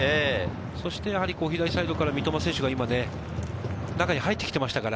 そして左サイドから三笘選手が中に入ってきていましたから。